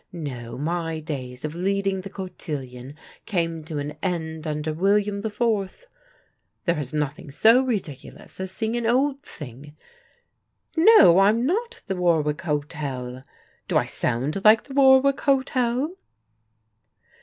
No, my days of leading the cotillion came to an end under William the Fourth. There is nothing so ridiculous as seeing an old thing No, I'm not the Warwick Hotel? Do I sound like the Warwick Hotel?"